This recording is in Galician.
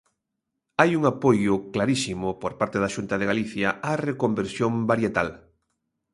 Hai un apoio clarísimo, por parte da Xunta de Galicia, á reconversión varietal.